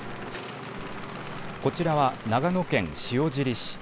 こちらは、長野県塩尻市。